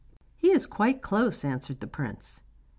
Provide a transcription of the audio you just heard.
'He is quite close,' answered the prince.